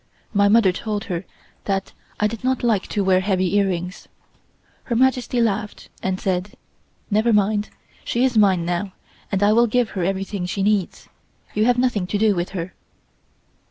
My mother told her that I did not like to wear heavy earrings. Her Majesty laughed and said: "Never mind, she is mine now, and I will give her everything she needs. You have nothing to do with her."